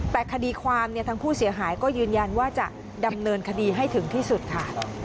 แต่คดีความทางผู้เสียหายก็ยืนยันว่าจะดำเนินคดีให้ถึงที่สุดค่ะ